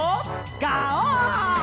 ガオー！